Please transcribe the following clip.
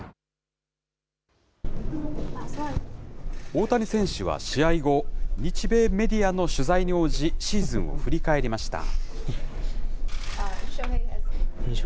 大谷選手は試合後、日米メディアの取材に応じ、シーズンを振り返りました。